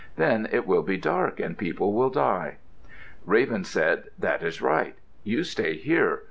Then it will be dark and people will die." Raven said, "That is right. You stay here.